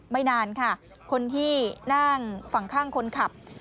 ไม่นานค่ะคนที่นั่งฝั่งข้างคนขับ